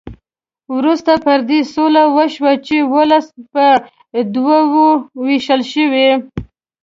وروسته پر دې سوله وشوه چې ولس په دوه وو وېشل شي.